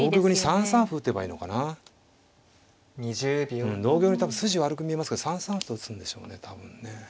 うん同玉に多分筋悪く見えますけど３三歩と打つんでしょうね多分ね。